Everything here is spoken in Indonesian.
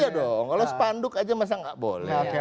iya dong kalau sepanduk aja masa nggak boleh